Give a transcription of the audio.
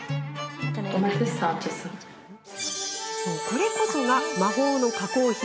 これこそが、魔法の加工品。